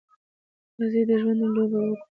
راځئ د ژوند لوبه وکړو.